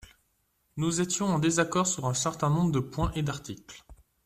Nous étions en désaccord sur un certain nombre de points et d’articles.